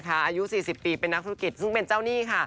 อายุ๔๐ปีเป็นนักธุรกิจซึ่งเป็นเจ้าหนี้ค่ะ